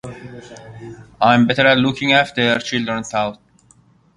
I’m better at looking after children, though.